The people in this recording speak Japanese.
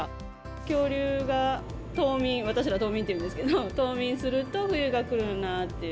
恐竜が冬眠、私ら、冬眠っていうんですけれども、冬眠すると、冬が来るなっていう。